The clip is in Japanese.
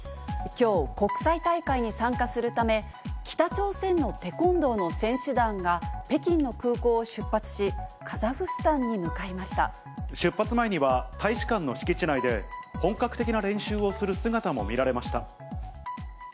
きょう、国際大会に参加するため、北朝鮮のテコンドーの選手団が、北京の空港を出発し、カザフスタ出発前には、大使館の敷地内で本格的な練習をする姿も見られました。